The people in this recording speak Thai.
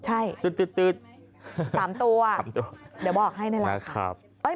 ใช่ตื๊ดตื๊ดสามตัวเดี๋ยวบอกให้ในหลังค่ะครับ